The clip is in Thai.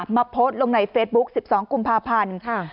โพสต์ลงในเฟซบุ๊ก๑๒กุมภาพันธ์